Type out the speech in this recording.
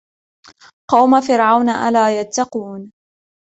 قوم فرعون ألا يتقون